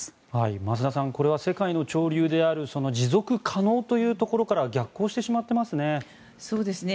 増田さん、これは世界の潮流である持続可能というところからは逆行してしまってますね。